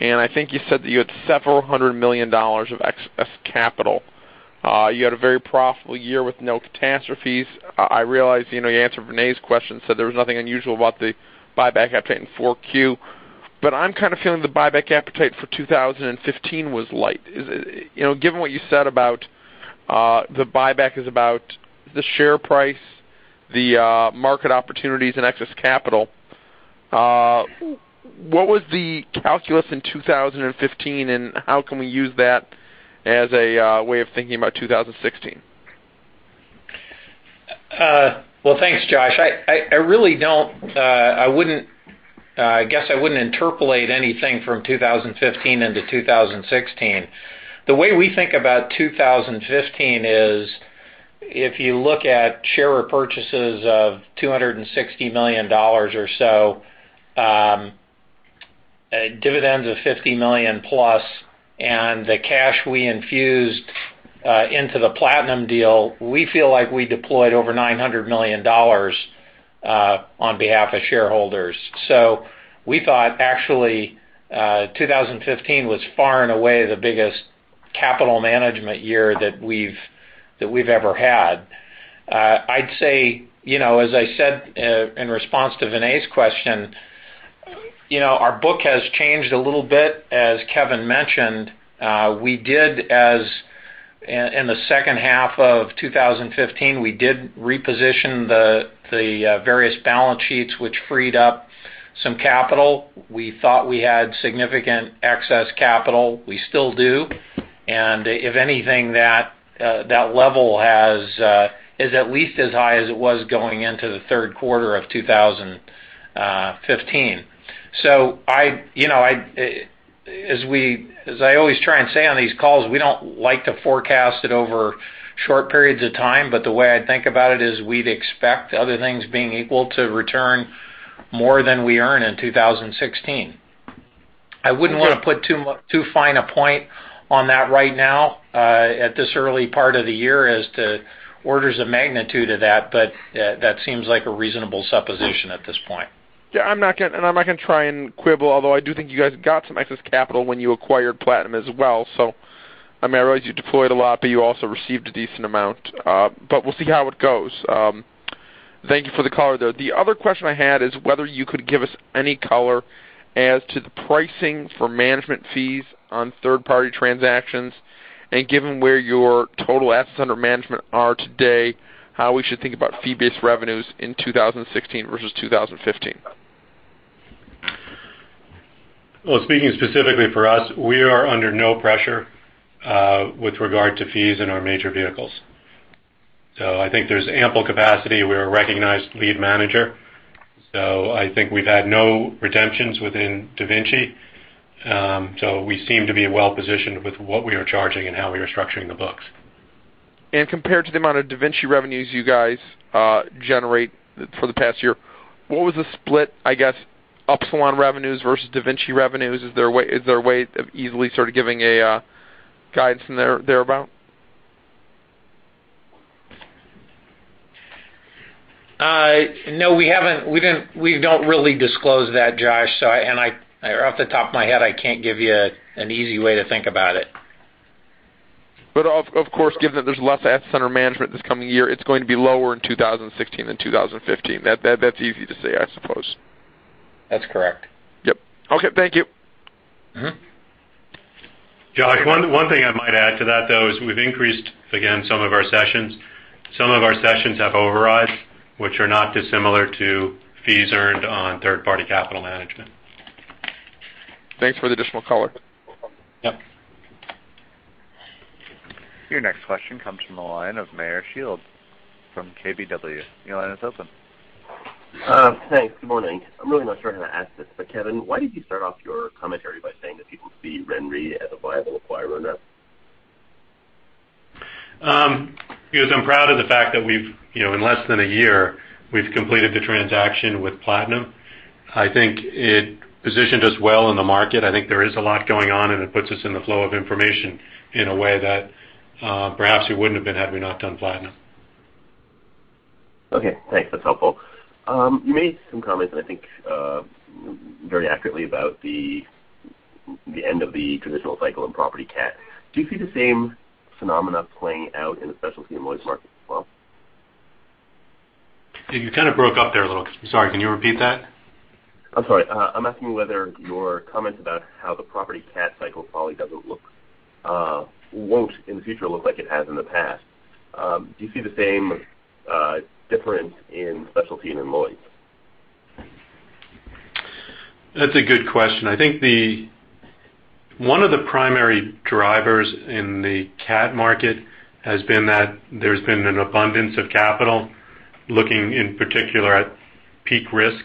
and I think you said that you had $several hundred million of excess capital. You had a very profitable year with no catastrophes. I realize you answered Vinay's question, so there was nothing unusual about the buyback appetite in 4Q. I'm kind of feeling the buyback appetite for 2015 was light. Given what you said about the buyback is about the share price, the market opportunities and excess capital, what was the calculus in 2015, and how can we use that as a way of thinking about 2016? Well, thanks, Josh. I guess I wouldn't interpolate anything from 2015 into 2016. The way we think about 2015 is if you look at share repurchases of $260 million or so, dividends of $50 million plus, and the cash we infused into the Platinum deal, we feel like we deployed over $900 million on behalf of shareholders. We thought actually, 2015 was far and away the biggest capital management year that we've ever had. I'd say, as I said in response to Vinay's question, our book has changed a little bit, as Kevin mentioned. In the second half of 2015, we did reposition the various balance sheets, which freed up some capital. We thought we had significant excess capital. We still do. And if anything, that level is at least as high as it was going into the third quarter of 2015. As I always try and say on these calls, we don't like to forecast it over short periods of time, the way I think about it is we'd expect other things being equal to return more than we earn in 2016. I wouldn't want to put too fine a point on that right now at this early part of the year as to orders of magnitude of that seems like a reasonable supposition at this point. I'm not going to try and quibble, although I do think you guys got some excess capital when you acquired Platinum as well. I realize you deployed a lot, but you also received a decent amount. We'll see how it goes. Thank you for the color, though. The other question I had is whether you could give us any color as to the pricing for management fees on third-party transactions, and given where your total assets under management are today, how we should think about fee-based revenues in 2016 versus 2015. Well, speaking specifically for us, we are under no pressure with regard to fees in our major vehicles. I think there's ample capacity. We're a recognized lead manager, I think we've had no redemptions within DaVinci. We seem to be well-positioned with what we are charging and how we are structuring the books. Compared to the amount of DaVinci revenues you guys generate for the past year, what was the split, I guess, Upsilon revenues versus DaVinci revenues? Is there a way of easily sort of giving a guidance in thereabout? No, we don't really disclose that, Josh. Off the top of my head, I can't give you an easy way to think about it. Of course, given that there's less asset management this coming year, it's going to be lower in 2016 than 2015. That's easy to say, I suppose. That's correct. Yep. Okay. Thank you. Josh, one thing I might add to that, though, is we've increased, again, some of our cessions. Some of our cessions have overrides, which are not dissimilar to fees earned on third-party capital management. Thanks for the additional color. Yep. Your next question comes from the line of Meyer Shields from KBW. Your line is open. Thanks. Good morning. I'm really not sure how to ask this, Kevin, why did you start off your commentary by saying that people see RenRe as a viable acquirer now? I'm proud of the fact that in less than a year, we've completed the transaction with Platinum. I think it positioned us well in the market. I think there is a lot going on, and it puts us in the flow of information in a way that perhaps it wouldn't have been had we not done Platinum. Okay. Thanks. That's helpful. You made some comments, I think very accurately about the end of the traditional cycle in property CAT. Do you see the same phenomena playing out in the specialty and Lloyd's market as well? You kind of broke up there a little. Sorry, can you repeat that? I'm sorry. I'm asking whether your comment about how the property CAT cycle probably won't in the future look like it has in the past. Do you see the same difference in specialty and in Lloyd's? That's a good question. I think one of the primary drivers in the CAT market has been that there's been an abundance of capital looking in particular at peak risk.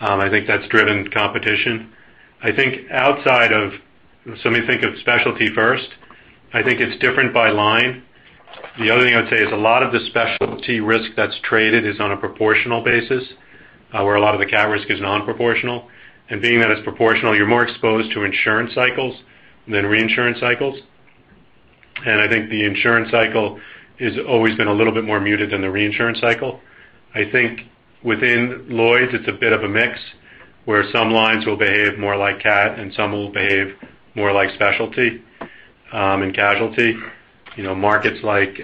I think that's driven competition. Let me think of specialty first. I think it's different by line. The other thing I would say is a lot of the specialty risk that's traded is on a proportional basis, where a lot of the CAT risk is non-proportional. Being that it's proportional, you're more exposed to insurance cycles than reinsurance cycles. I think the insurance cycle has always been a little bit more muted than the reinsurance cycle. I think within Lloyd's, it's a bit of a mix, where some lines will behave more like CAT and some will behave more like specialty and casualty. Markets like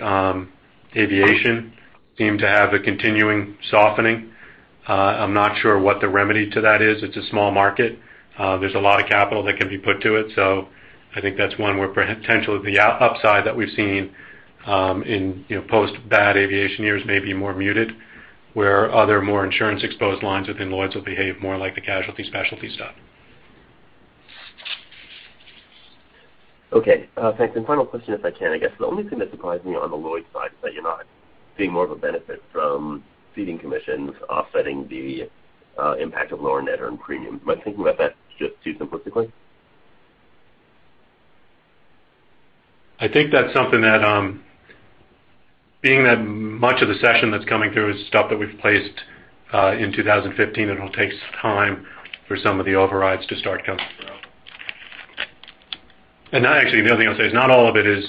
aviation seem to have a continuing softening. I'm not sure what the remedy to that is. It's a small market. There's a lot of capital that can be put to it. I think that's one where potentially the upside that we've seen in post bad aviation years may be more muted, where other more insurance exposed lines within Lloyd's will behave more like the casualty specialty stuff. Okay, thanks. Final question, if I can, I guess the only thing that surprised me on the Lloyd's side is that you're not seeing more of a benefit from ceding commissions offsetting the impact of lower net earned premiums. Am I thinking about that just too simplistically? I think that's something that, being that much of the cession that's coming through is stuff that we've placed in 2015, it'll take some time for some of the overrides to start coming through. Actually, the other thing I'll say is not all of it is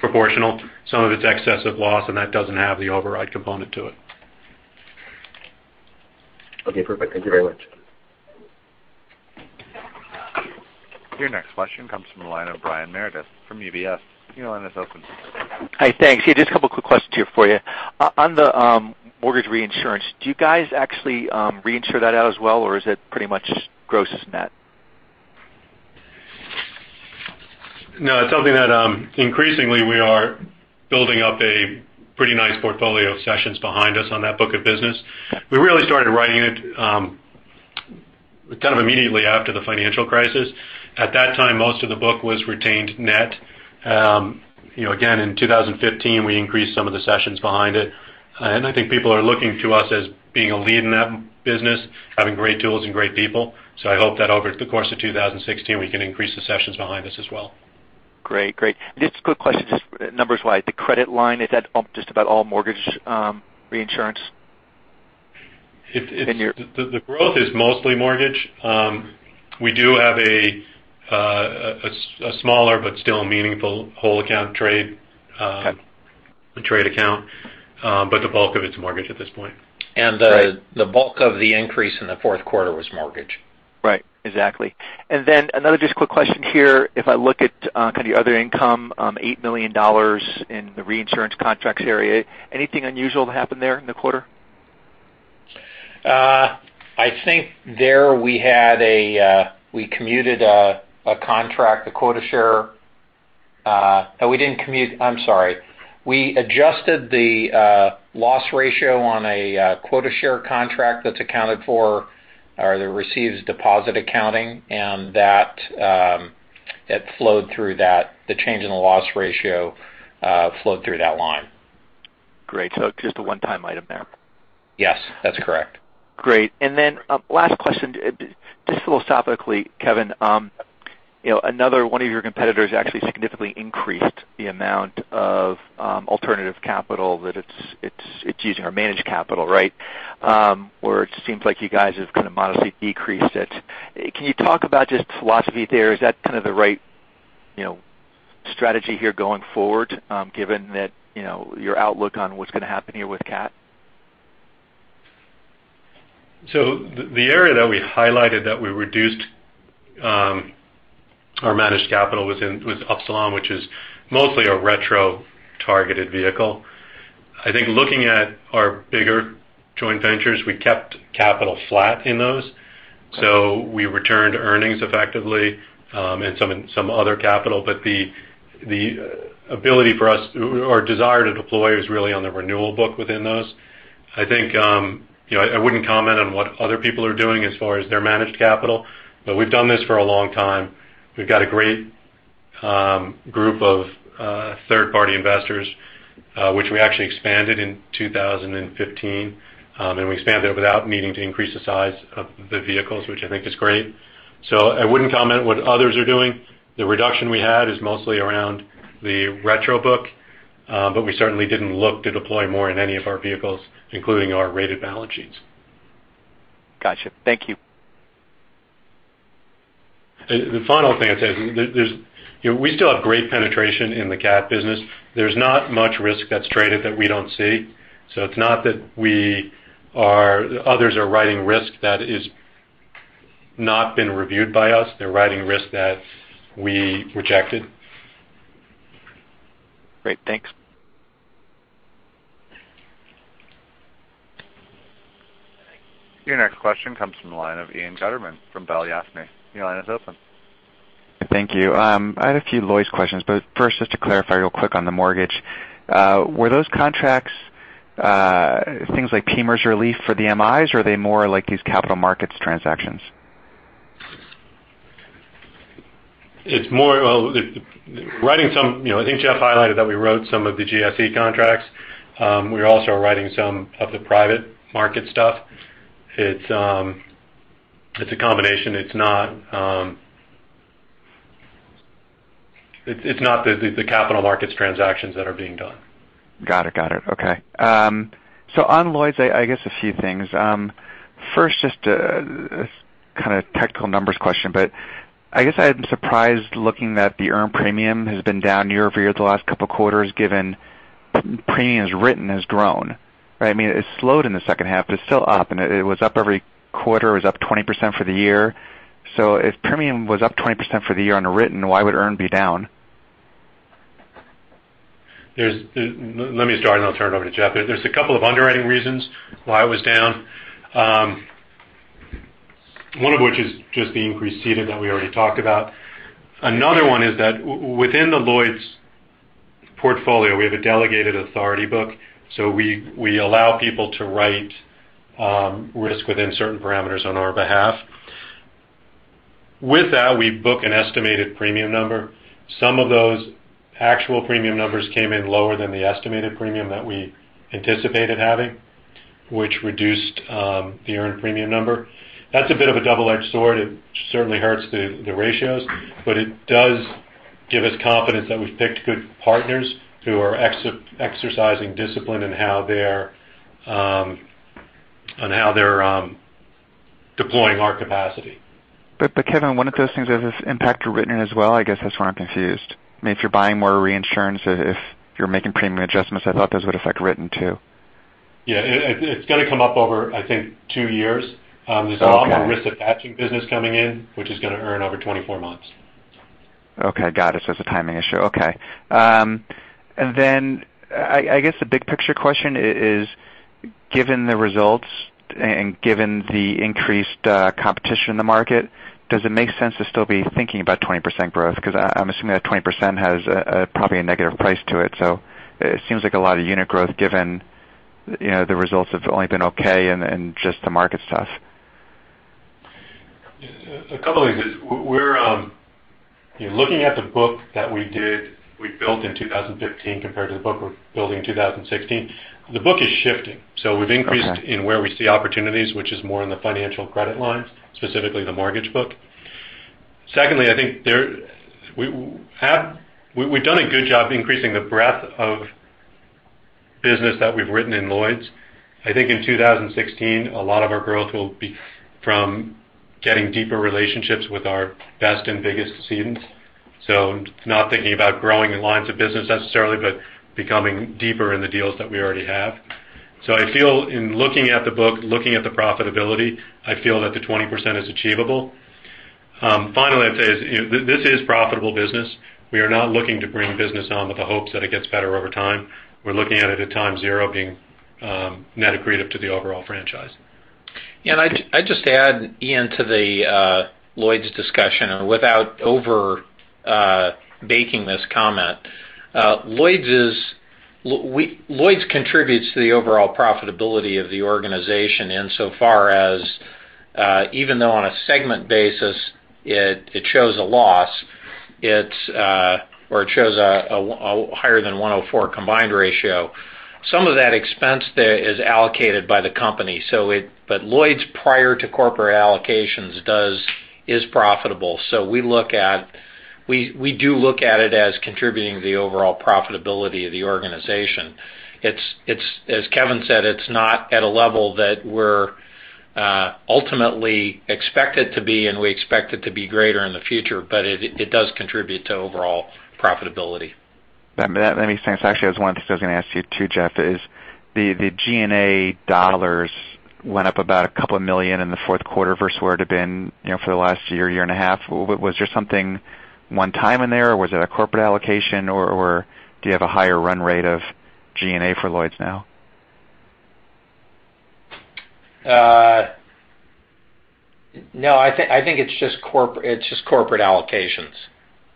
proportional. Some of it's excess of loss, and that doesn't have the override component to it. Okay, perfect. Thank you very much. Your next question comes from the line of Brian Meredith from UBS. Your line is open. Hi, thanks. Yeah, just a couple quick questions here for you. On the mortgage reinsurance, do you guys actually reinsure that out as well, or is it pretty much gross as net? No, it's something that increasingly we are building up a pretty nice portfolio of cessions behind us on that book of business. We really started writing it kind of immediately after the financial crisis. At that time, most of the book was retained net. Again, in 2015, we increased some of the cessions behind it. I think people are looking to us as being a lead in that business, having great tools and great people. I hope that over the course of 2016, we can increase the cessions behind us as well. Great. Just a quick question, just numbers-wise. The credit line, is that just about all mortgage reinsurance? The growth is mostly mortgage. We do have a smaller but still meaningful whole account trade- Okay trade account. The bulk of it's mortgage at this point. The bulk of the increase in the fourth quarter was mortgage. Right. Exactly. Another just quick question here. If I look at kind of the other income, $8 million in the reinsurance contracts area, anything unusual that happened there in the quarter? I think there we commuted a contract, the quota share. We didn't commute, I'm sorry. We adjusted the loss ratio on a quota share contract that's accounted for, or that receives deposit accounting, and the change in the loss ratio flowed through that line. Great. It's just a one-time item there. Yes, that's correct. Great. Then last question, just philosophically, Kevin, another one of your competitors actually significantly increased the amount of alternative capital that it's using, or managed capital, right? Where it seems like you guys have kind of modestly decreased it. Can you talk about just the philosophy there? Is that kind of the right strategy here going forward, given that your outlook on what's going to happen here with CAT? The area that we highlighted that we reduced our managed capital was Upsilon, which is mostly a retro targeted vehicle. Looking at our bigger joint ventures, we kept capital flat in those. We returned earnings effectively and some other capital, but the ability for us or desire to deploy is really on the renewal book within those. I wouldn't comment on what other people are doing as far as their managed capital, but we've done this for a long time. We've got a great group of third party investors, which we actually expanded in 2015, and we expanded it without needing to increase the size of the vehicles, which I think is great. I wouldn't comment what others are doing. The reduction we had is mostly around the retro book, we certainly didn't look to deploy more in any of our vehicles, including our rated balance sheets. Got you. Thank you. The final thing I'd say is we still have great penetration in the CAT business. There's not much risk that's traded that we don't see. It's not that others are writing risk that is not been reviewed by us. They're writing risk that we rejected. Great. Thanks. Your next question comes from the line of Ian Gutterman from Balyasny. Your line is open. Thank you. I had a few Lloyd's questions, but first, just to clarify real quick on the mortgage. Were those contracts things like PMIERs relief for the MIs, or are they more like these capital markets transactions? I think Jeff highlighted that we wrote some of the GSE contracts. We're also writing some of the private market stuff. It's a combination. It's not the capital markets transactions that are being done. Got it. Okay. On Lloyd's, I guess a few things. First, just kind of technical numbers question, but I guess I'm surprised looking that the earned premium has been down year-over-year the last couple of quarters, given premiums written has grown, right? It slowed in the second half, but it's still up, and it was up 20% for the year. If premium was up 20% for the year on the written, why would earned be down? Let me start, I'll turn it over to Jeff. There's a couple of underwriting reasons why it was down. One of which is just the increased ceded that we already talked about. Another one is that within the Lloyd's portfolio, we have a delegated authority book. We allow people to write risk within certain parameters on our behalf. With that, we book an estimated premium number. Some of those actual premium numbers came in lower than the estimated premium that we anticipated having, which reduced the earned premium number. That's a bit of a double-edged sword. It certainly hurts the ratios, but it does give us confidence that we've picked good partners who are exercising discipline in how they're deploying our capacity. Kevin, one of those things, does this impact your written as well? I guess that's where I'm confused. If you're buying more reinsurance, if you're making premium adjustments, I thought those would affect written, too. Yeah, it's going to come up over, I think, two years. Okay. There's a lot more risk attaching business coming in, which is going to earn over 24 months. Okay, got it. It's a timing issue. Okay. I guess the big picture question is, given the results and given the increased competition in the market, does it make sense to still be thinking about 20% growth? Because I'm assuming that 20% has probably a negative price to it. It seems like a lot of unit growth given the results have only been okay and just the market stuff. A couple of things. Looking at the book that we built in 2015 compared to the book we're building in 2016, the book is shifting. We've increased- Okay in where we see opportunities, which is more in the financial credit lines, specifically the mortgage book. Secondly, I think we've done a good job increasing the breadth of business that we've written in Lloyd's. I think in 2016, a lot of our growth will be from getting deeper relationships with our best and biggest cedents. Not thinking about growing in lines of business necessarily, but becoming deeper in the deals that we already have. I feel in looking at the book, looking at the profitability, I feel that the 20% is achievable. Finally, I'd say this is profitable business. We are not looking to bring business on with the hopes that it gets better over time. We're looking at it at time zero being net accretive to the overall franchise. I'd just add, Ian, to the Lloyd's discussion, and without over baking this comment. Lloyd's contributes to the overall profitability of the organization insofar as even though on a segment basis it shows a loss, or it shows a higher than 104 combined ratio. Some of that expense there is allocated by the company. Lloyd's prior to corporate allocations is profitable. We do look at it as contributing to the overall profitability of the organization. As Kevin said, it's not at a level that we're ultimately expect it to be, and we expect it to be greater in the future, but it does contribute to overall profitability. That makes sense. Actually, I was going to ask you too, Jeff, is the G&A dollars went up about a couple of million in the fourth quarter versus where it had been for the last year and a half. Was there something one-time in there, or was it a corporate allocation, or do you have a higher run rate of G&A for Lloyd's now? I think it's just corporate allocations.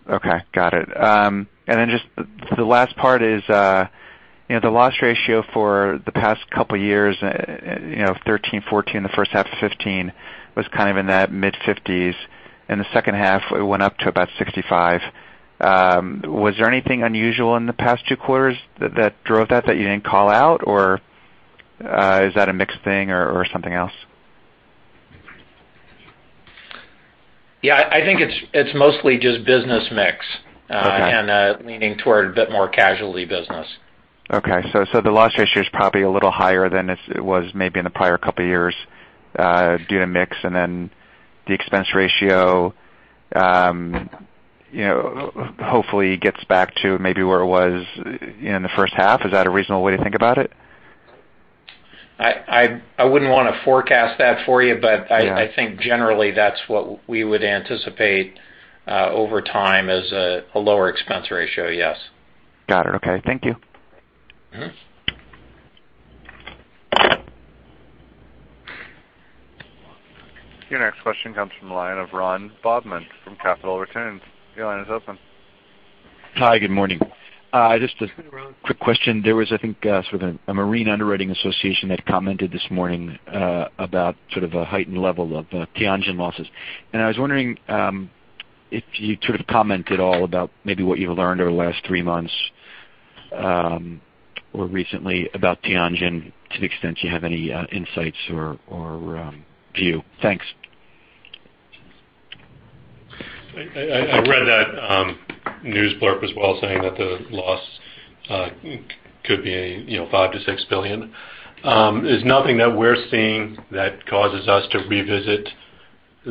Okay. Got it. Just the last part is the loss ratio for the past couple years, 2013, 2014, the first half of 2015, was kind of in that mid-50s. In the second half, it went up to about 65. Was there anything unusual in the past two quarters that drove that you didn't call out, or is that a mix thing or something else? Yeah, I think it's mostly just business mix. Okay. Leaning toward a bit more casualty business. Okay. The loss ratio is probably a little higher than it was maybe in the prior couple of years due to mix, and then the expense ratio hopefully gets back to maybe where it was in the first half. Is that a reasonable way to think about it? I wouldn't want to forecast that for you. I think generally that's what we would anticipate over time as a lower expense ratio, yes. Got it. Okay. Thank you. Your next question comes from the line of Ron Bobman from Capital Returns. Your line is open. Hi, good morning. Just a quick question. There was, I think, sort of a marine underwriting association that commented this morning about sort of a heightened level of Tianjin losses. I was wondering if you'd sort of comment at all about maybe what you've learned over the last three months, or recently about Tianjin to the extent you have any insights or view. Thanks. I read that news blurb as well saying that the loss could be $5 billion-$6 billion. There's nothing that we're seeing that causes us to revisit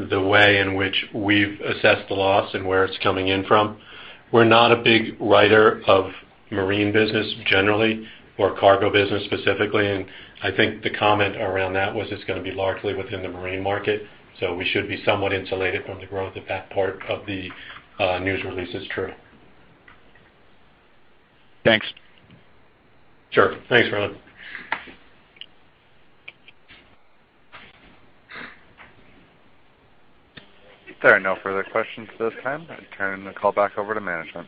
the way in which we've assessed the loss and where it's coming in from. We're not a big writer of marine business generally, or cargo business specifically, I think the comment around that was it's going to be largely within the marine market. We should be somewhat insulated from the growth if that part of the news release is true. Thanks. Sure. Thanks, Ron. There are no further questions at this time. I turn the call back over to management.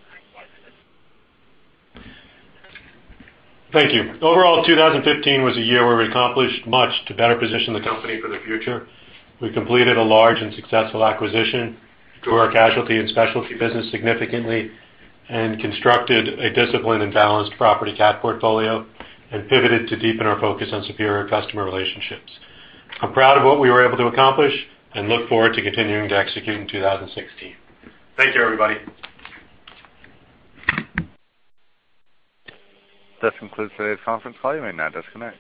Thank you. Overall, 2015 was a year where we accomplished much to better position the company for the future. We completed a large and successful acquisition, grew our casualty and specialty business significantly, and constructed a disciplined and balanced property CAT portfolio, and pivoted to deepen our focus on superior customer relationships. I'm proud of what we were able to accomplish and look forward to continuing to execute in 2016. Thank you, everybody. This concludes today's conference call. You may now disconnect.